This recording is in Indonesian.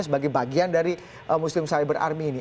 sebagai bagian dari muslim cyber army ini